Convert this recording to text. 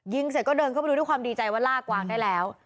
เสร็จก็เดินเข้าไปดูด้วยความดีใจว่าล่ากวางได้แล้ว